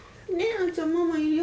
あるちゃんママいるよ